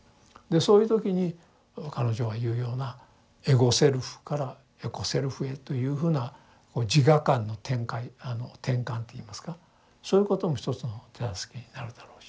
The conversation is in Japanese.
そういう時に彼女が言うようなエゴ・セルフからエコ・セルフへというふうな自我観の展開転換といいますかそういうことも一つの手助けになるだろうし。